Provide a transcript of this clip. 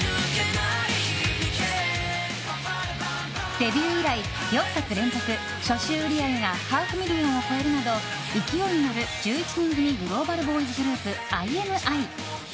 デビュー以来４作連続初週売り上げがハーフミリオンを超えるなど勢いに乗る１１人組グローバルボーイズグループ、ＩＮＩ。